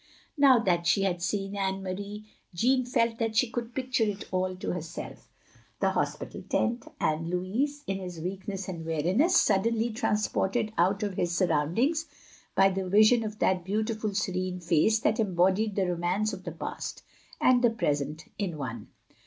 Now that she had seen Anne Marie, Jeanne felt that she could picture it all to herself: the hospital tent, and Louis, in his weakness and weariness, suddenly transported out of his sur roundings by the vision of that beautiful, serene face that embodied the romance of the past and the present in one.